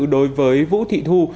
đối với vũ thị thu